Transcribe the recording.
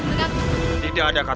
untuk menghabisi lawan lawan